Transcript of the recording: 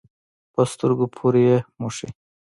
په سترګو پورې یې مښي.